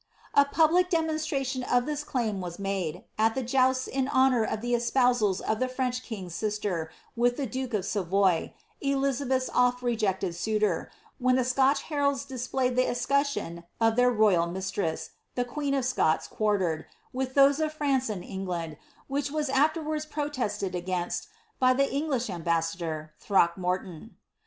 "'' A puUiii domonsiniiion of this ciaiiii was made, at the jousis in hononr of the eapousaia of the French king's sister, with the duke of Savoy, Ellixa Iwlh'B ofi rejected auitor, when the Scotch heralds displayed the fscutcheon of iheir royal mistreas, the queen of Scots quartered, with tboae of France and England, which was afterwards protested against by the English Bmbasaador, Throckmorton.'